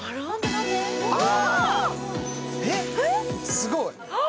すごい。